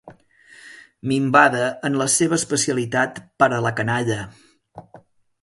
Minvada en la seva especialitat per a la canalla.